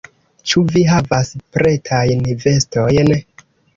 Ĉu vi havas pretajn vestojn?